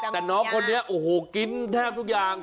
แต่น้องคนนี้โอ้โหกินแทบทุกอย่าง